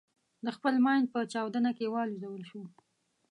د خپل ماین په چاودنه کې والوزول شو.